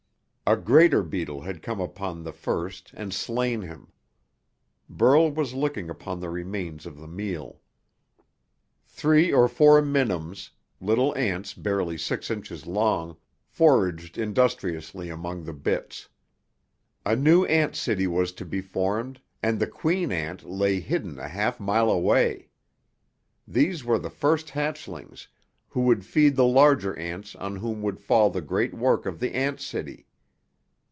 A greater beetle had come upon the first and slain him. Burl was looking upon the remains of the meal. Three or four minims, little ants barely six inches long, foraged industriously among the bits. A new ant city was to be formed and the queen ant lay hidden a half mile away. These were the first hatchlings, who would feed the larger ants on whom would fall the great work of the ant city.